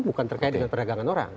bukan terkait dengan perdagangan orang